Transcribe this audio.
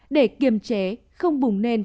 để kiềm chế không bùng nên